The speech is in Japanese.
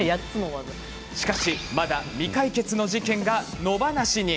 しかし、まだ未解決の事件が野放しに。